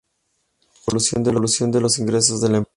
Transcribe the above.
Evolución de los ingresos de la empresa.